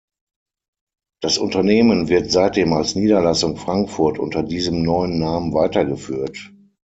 Das Unternehmen wird seitdem als Niederlassung Frankfurt unter diesem neuen Namen weiter geführt.